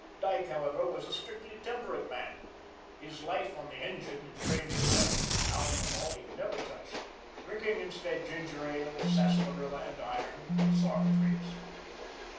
Dyke, however, was a strictly temperate man. His life on the engine had trained him well. Alcohol he never touched, drinking instead ginger ale, sarsaparilla and iron soft drinks.